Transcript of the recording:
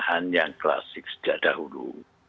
pemahaman yang klasik sejak dahulu